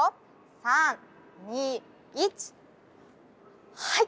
３２１はい。